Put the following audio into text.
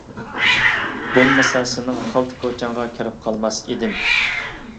بولمىسا سېنىڭ خالتا كوچاڭغا كىرىپ قالماس ئىدىم.